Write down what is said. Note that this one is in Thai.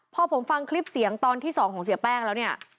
พอผมฟังคลิปเสียงตอนที่๒ของเสียแป้งแล้วเนี่ย